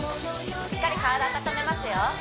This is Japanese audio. しっかり体温めますよ